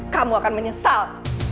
kamu akan menyesal